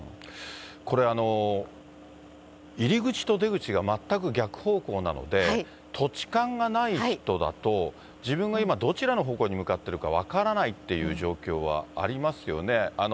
これ、入り口と出口が全く逆方向なので、土地勘がない人だと、自分が今、どちらの方向に向かっているか分からないっていう状況はありますよね。